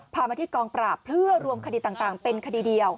มาที่กองปราบเพื่อรวมคดีต่างเป็นคดีเดียว